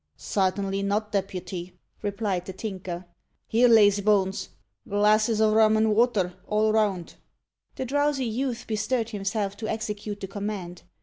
"Sartainly not, deputy," replied the Tinker. "Here, lazy bones, glasses o' rum an' vater, all round." The drowsy youth bestirred himself to execute the command.